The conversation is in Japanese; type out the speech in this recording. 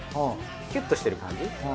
キュッとしてる感じ？